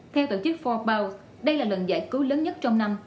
theo tổ chức bốn por đây là lần giải cứu lớn nhất trong năm